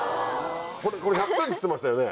これ１００点って言ってましたよね？